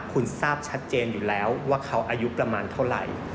คุณทราบชัดเจนอยู่แล้วว่าเขาอายุประมาณเท่าไหร่